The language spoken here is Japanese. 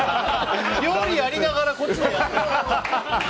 料理やりながらこっちもやってね。